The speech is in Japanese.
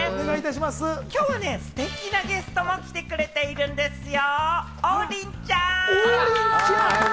きょうはね、ステキなゲストも来てくれているんですよ。